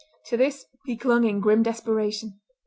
To this he clung in grim desperation.